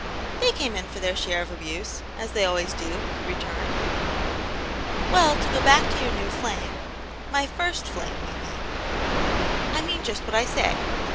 "They came in for their share of abuse, as they always do," he returned. " Well, to go back to your new. flame "" My first flame, you mean." I mean just what I say.